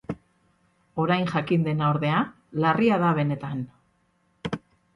Orain jakin dena, ordea, larria da benetan.